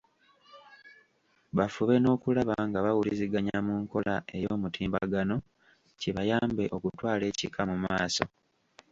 Bafube n'okulaba nga bawuliziganya mu nkola ey’omutimbagano kibayambe okutwala ekika mu maaso.